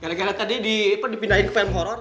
gara gara tadi dipindahin ke film horror